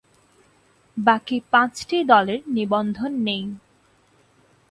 বাকি পাঁচটি দলের নিবন্ধন নেই।